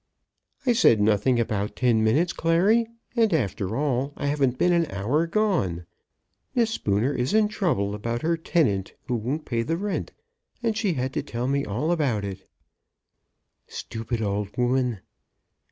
"I said nothing about ten minutes, Clary; and, after all, I haven't been an hour gone. Miss Spooner is in trouble about her tenant, who won't pay the rent, and she had to tell me all about it." "Stupid old woman!"